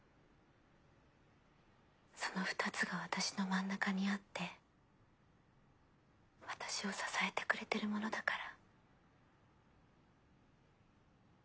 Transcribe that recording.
その二つが私の真ん中にあって私を支えてくれてるものだから。